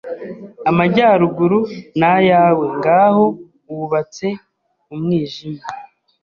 Amajyaruguru ni ayawe ngaho wubatse umwijima